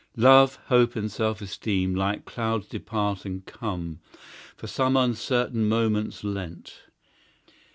Love, Hope, and Self esteem, like clouds depart And come, for some uncertain moments lent.